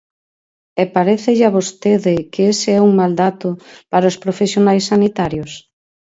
¿E parécelle a vostede que ese é un mal dato para os profesionais sanitarios?